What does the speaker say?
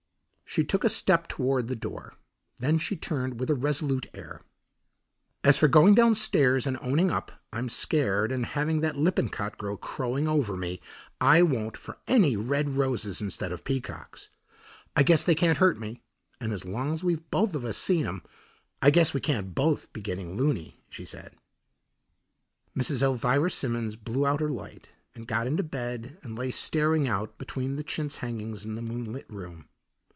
She took a step toward the door, then she turned with a resolute air. "As for going downstairs and owning up I'm scared and having that Lippincott girl crowing over me, I won't for any red roses instead of peacocks. I guess they can't hurt me, and as long as we've both of us seen 'em I guess we can't both be getting loony," she said. Mrs. Elvira Simmons blew out her light and got into bed and lay staring out between the chintz hangings at the moonlit room.